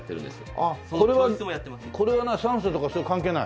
あっこれは酸素とかそういうのは関係ない？